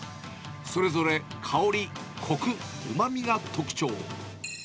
それぞれ香り、こく、うまみが特徴。